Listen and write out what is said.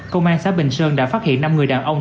công an xã bình sơn đã phát hiện năm người đàn ông